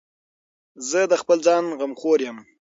زه د خپل ځان غمخور یم.